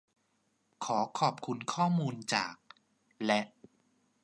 ขอขอบคุณข้อมูลจาก และ